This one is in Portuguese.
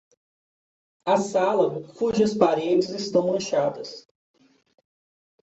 A sala cujas paredes estão manchadas.